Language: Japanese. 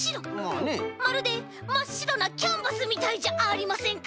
まるでまっしろなキャンバスみたいじゃありませんか？